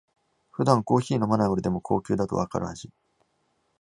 普段コーヒー飲まない俺でも高級だとわかる味